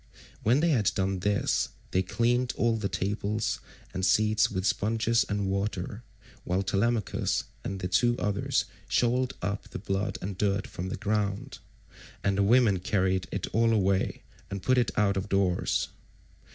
When they had done this, they cleaned all the tables and seats with sponges and water, while Telemachus and the two others shovelled up the blood and dirt from the ground, and the women carried it all away and put it out of doors.